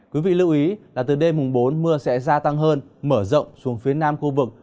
quý vị lưu ý là từ đêm bốn mưa sẽ gia tăng hơn mở rộng xuống phía nam khu vực